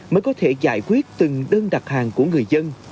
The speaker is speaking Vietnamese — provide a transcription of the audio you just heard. mới có thể giải quyết từng đơn đặt hàng của người dân